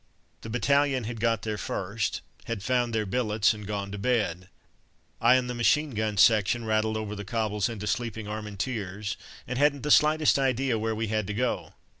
The battalion had got there first, had found their billets and gone to bed. I and the machine gun section rattled over the cobbles into sleeping Armentières, and hadn't the slightest idea where we had to go.